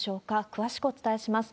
詳しくお伝えします。